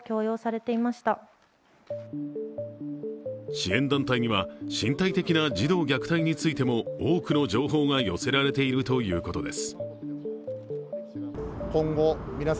支援団体には、身体的な児童虐待についても多くの情報が寄せられているということです。